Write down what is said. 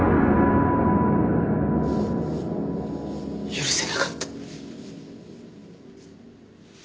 許せなかった。